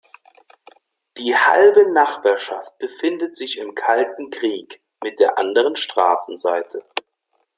Die halbe Nachbarschaft befindet sich im kalten Krieg mit der anderen Straßenseite.